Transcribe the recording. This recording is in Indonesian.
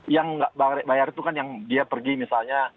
yang nggak bayar itu kan yang dia pergi misalnya